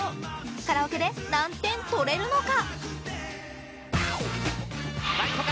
カラオケで何点取れるのか？